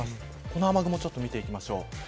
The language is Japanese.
この雨雲を見ていきましょう。